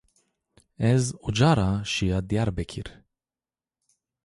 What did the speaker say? Ez uca ra şîya Dîyarbekir